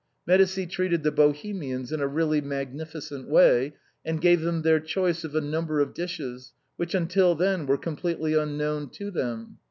Medicis treated the Bohemians in a really magnificent way, and gave them their choice of a number of dishes, which until then were completely unknown to them.